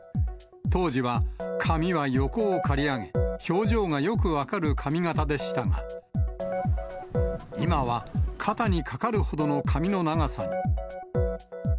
当時は髪は横を刈り上げ、表情がよく分かる髪形でしたが、今は肩にかかるほどの髪の長さに。